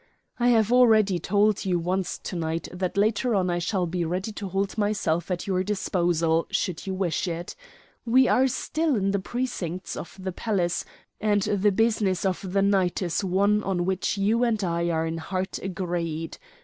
"I have already told you once to night that later on I shall be ready to hold myself at your disposal, should you wish it. We are still in the precincts of the palace, and the business of the night is one on which you and I are in heart agreed.